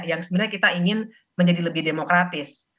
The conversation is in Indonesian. yang sebenarnya kita ingin menjadi lebih demokratis